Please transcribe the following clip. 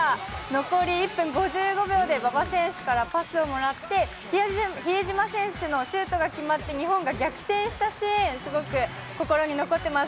残り１分５５秒で馬場選手からパスをもらって、比江島選手のシュートが決まって日本が逆転したシーン、すごく心に残っています。